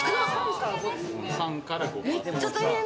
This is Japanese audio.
３から５％。